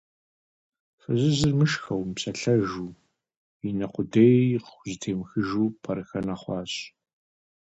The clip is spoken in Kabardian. Фызыжьыр мышхэжу, мыпсэлъэжу, и нэ къудей къыхузэтемыхыжу пӀэрыхэнэ хъуащ.